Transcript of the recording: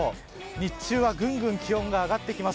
日中は、ぐんぐん気温が上がってきます。